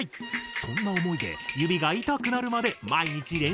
そんな思いで指が痛くなるまで毎日練習を重ねた。